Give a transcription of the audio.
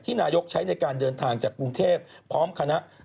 นายกใช้ในการเดินทางจากกรุงเทพพร้อมคณะ